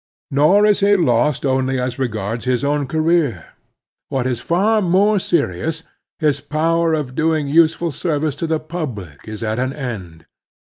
Nor is he lost only as regards his own career. What is far more serioxis, his power of doing useful service to the public is at an end.